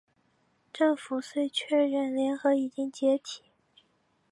政府遂确认联合已经解体。